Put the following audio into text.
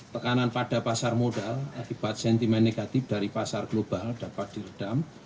tekanan pada pasar modal akibat sentimen negatif dari pasar global dapat diredam